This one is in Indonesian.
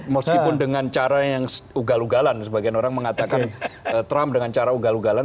meskipun dengan cara yang ugal ugalan sebagian orang mengatakan trump dengan cara ugal ugalan